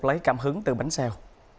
lấy cảm hứng từ bánh xèo